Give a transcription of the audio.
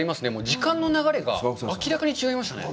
時間の流れが明らかに違いましたね。